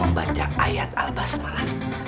ya bapak bapak semua